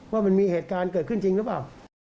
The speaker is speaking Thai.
ว่ามันมีเหตุการณ์เกิดขึ้นจริงหรือเปล่า